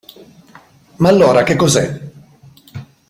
Ma allora, che cos'è?